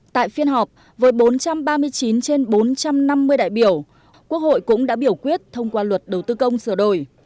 tại phiên họp với bốn trăm ba mươi chín trên bốn trăm năm mươi đại biểu quốc hội cũng đã biểu quyết thông qua luật đầu tư công sửa đổi